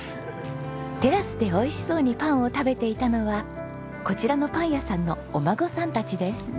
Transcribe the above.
テラスでおいしそうにパンを食べていたのはこちらのパン屋さんのお孫さんたちです。